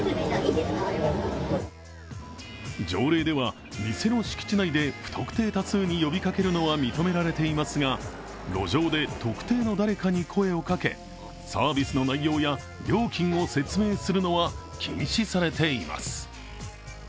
条例では、店の敷地内で不特定多数に呼びかけるのは認められていますが、路上で特定の誰かに声をかけ、サービスの内容や料金を説明するのは禁止されています。